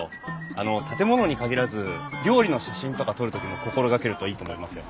あの建物に限らず料理の写真とか撮る時も心がけるといいと思いますよ。